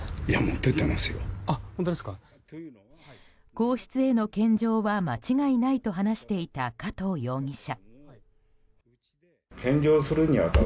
皇室への献上は間違いないと話していた加藤容疑者。